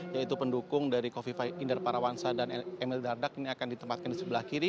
yaitu pendukung dari kofifa inder parawansa dan emil dardak ini akan ditempatkan di sebelah kiri